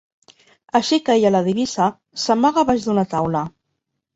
Així que ella la divisa, s'amaga baix d'una taula.